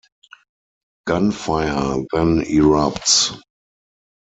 Gunfire then erupts.